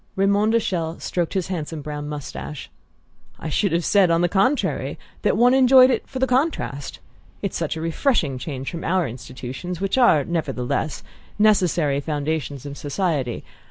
Raymond de Chelles stroked his handsome brown moustache. "I should have said, on the contrary, that one enjoyed it for the contrast. It's such a refreshing change from our institutions which are, nevertheless, the necessary foundations of society.